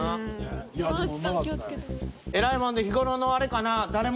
えらいもんで日頃のあれかな。